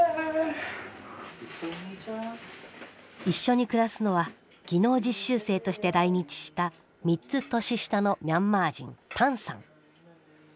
一緒に暮らすのは技能実習生として来日した３つ年下のミャンマー人タンさん。